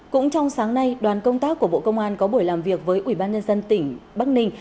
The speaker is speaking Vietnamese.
cũng trong sáng nay đoàn công tác của bộ công an có buổi làm việc với ủy ban nhân dân tỉnh bắc ninh